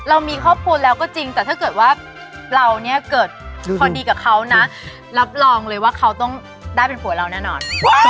เรามีครอบครัวแล้วก็จริงแต่ถ้าเกิดว่าเราเนี่ยเกิดพอดีกับเขานะรับรองเลยว่าเขาต้องได้เป็นผัวเราแน่นอน